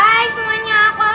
hai semuanya aku alva